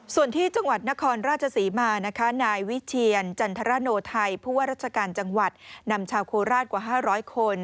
ส่วนที่จังหวัดนครราชศรีมานะคะนายวิเชียรจันทรโนไทยผู้ว่าราชการจังหวัดนำชาวโคราชกว่า๕๐๐คน